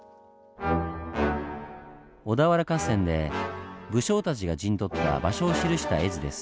小田原合戦で武将たちが陣取った場所を記した絵図です。